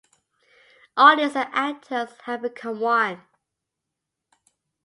Audience and actors had become one.